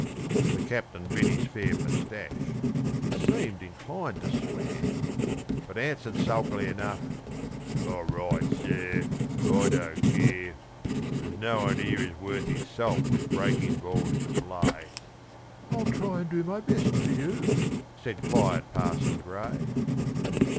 The Captain bit his fair moustache he seemed inclined to swear; But answered sulkily enough, "All right, sir; I don't care. There's no one here is worth his salt with breaking balls to play." "I'll try and do my best for you," said quiet Parson Grey.